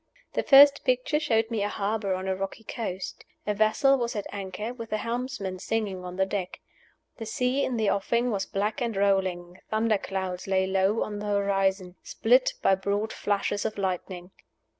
The first picture showed me a harbor on a rocky coast. A vessel was at anchor, with the helmsman singing on the deck. The sea in the offing was black and rolling; thunder clouds lay low on the horizon, split by broad flashes of lightning.